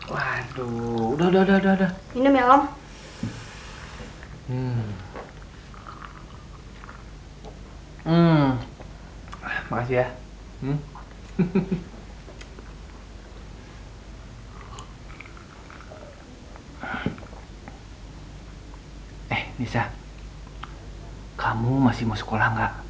sudah sudah sudah sudah